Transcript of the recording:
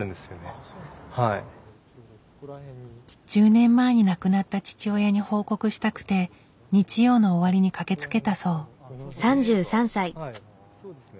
１０年前に亡くなった父親に報告したくて日曜の終わりに駆けつけたそう。